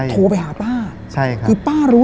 โทรไปหาป้าคือป้ารู้